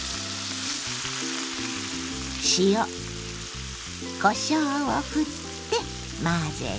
塩こしょうをふって混ぜて。